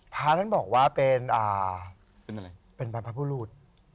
พระท่านบอกว่าเป็นอะไรเป็นบรรพบุรุษ